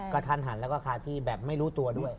กระทันหันแล้วก็คาที่แบบไม่รู้ตัวด้วย